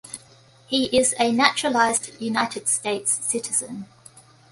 He is a naturalized United States citizen.